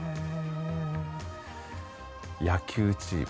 野球チーム。